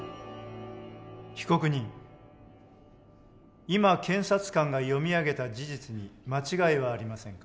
被告人今検察官が読み上げた事実に間違いはありませんか？